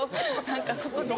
何かそこで。